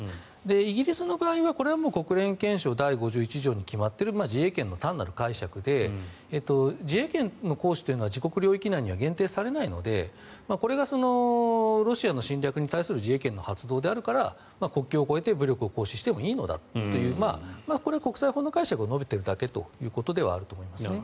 イギリスの場合はこれは国連憲章第５１条で決まっている自衛権の単なる解釈で自衛権の行使というのは自国領域内には限定されないのでこれがロシアの侵略に対する自衛権の発動であるから国境を越えて武力を行使してもいいのだという、これは国際法の解釈を述べているだけということではあると思います。